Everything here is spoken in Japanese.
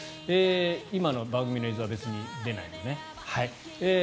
今の番組の映像は別に出ないよね。